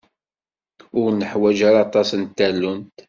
Ur neḥwaǧ ara aṭas n tallunt.